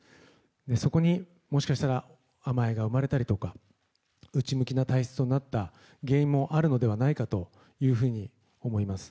そこに、もしかしたら甘えが生まれたりとか内向きな体質となった原因もあるのではないかと思います。